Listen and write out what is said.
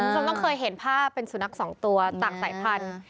ผมต้องเคยเห็นภาพเป็นสุดนักสองตัวต่างสายพันธุ์